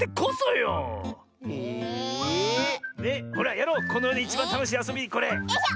よいしょ！